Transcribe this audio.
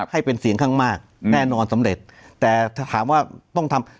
ให้เป็นเสียงข้างมากแน่นอนสำเร็จแต่ถ้าถามว่าต้องทำ